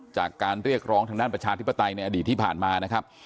จากการเรียกร้องทางด้านประชาธิปไตยในอดีตที่ผ่านมานะครับ